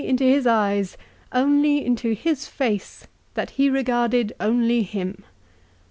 219 into his eyes, only into his face, that he regarded only him."